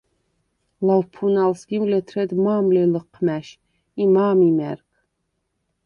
ლავფუნალ სგიმ ლეთრედ მა̄მ ლი ლჷჴმა̈შ ი მა̄მ იმა̈რგ.